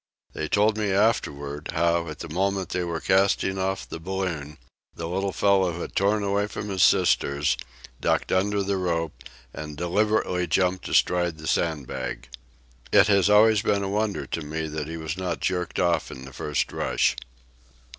They told me afterward, how, at the moment they were casting off the balloon, the little fellow had torn away from his sisters, ducked under the rope, and deliberately jumped astride the sandbag. It has always been a wonder to me that he was not jerked off in the first rush.